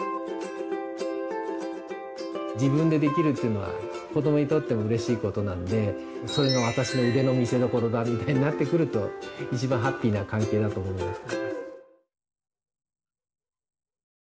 自分でできるっていうのは子どもにとってもうれしいことなので「それがワタシのウデのみせどころだ」みたいになってくると一番ハッピーな関係だと思います。